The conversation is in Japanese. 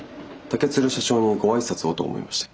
竹鶴社長にご挨拶をと思いまして。